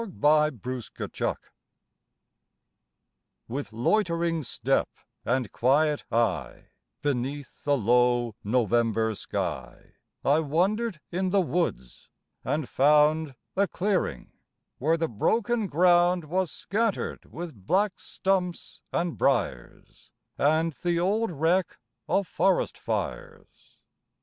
IN NOVEMBER With loitering step and quiet eye, Beneath the low November sky, I wandered in the woods, and found A clearing, where the broken ground Was scattered with black stumps and briers, And the old wreck of forest fires.